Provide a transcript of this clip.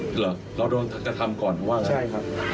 หรือเราโดนกระทำก่อนหรือเปล่าใช่ครับ